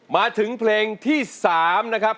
มาถึงเพลงที่๓นะครับ